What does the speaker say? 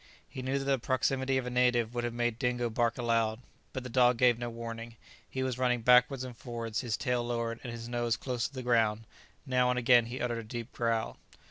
He knew that the proximity of a native would have made Dingo bark aloud; but the dog gave no warning; he was running backwards and forwards, his tail lowered and his nose close to the ground; now and again he uttered a deep growl.